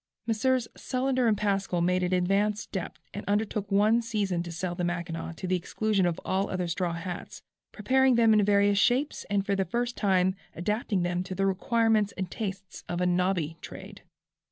Messrs. Sullender & Pascall made an advanced step and undertook one season to sell the Mackinaw to the exclusion of all other straw hats, preparing them in various shapes and for the first time adapting them to the requirements and tastes of a "nobby" trade.